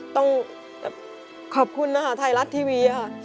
ต้องแบบขอบคุณนะคะไทยรัฐทีวีค่ะ